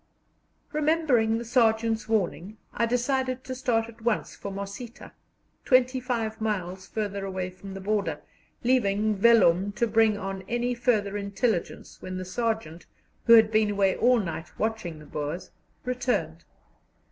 Remembering the sergeant's warning, I decided to start at once for Mosita, twenty five miles farther away from the border, leaving Vellum to bring on any further intelligence when the sergeant, who had been away all night watching the Boers, returned.